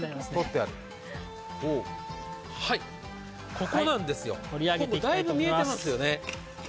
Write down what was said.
ここなんですよ、もうだいぶ見えてますよね。